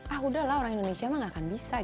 ah udahlah orang indonesia nggak akan bisa